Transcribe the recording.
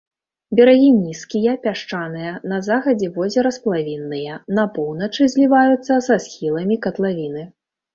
Берагі нізкія, пясчаныя, на захадзе возера сплавінныя, на поўначы зліваюцца са схіламі катлавіны.